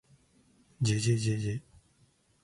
ｗ じぇじぇじぇじぇ ｗ